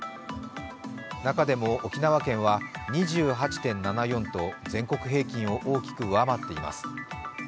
中でも沖縄県は２８．７４と全国平均を大きく上回っています。